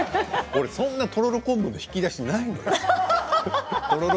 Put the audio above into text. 俺そんなにとろろ昆布の引き出しないのよ。